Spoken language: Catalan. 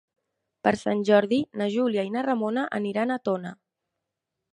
Per Sant Jordi na Júlia i na Ramona aniran a Tona.